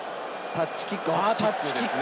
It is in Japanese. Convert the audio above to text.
タッチキック。